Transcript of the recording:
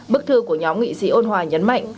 bức thư của nhóm nghị sĩ ôn hòa nhấn mạnh